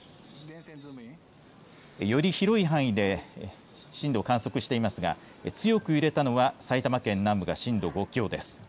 より広い範囲で震度を観測していますが強く揺れたのは埼玉県南部が震度５強です。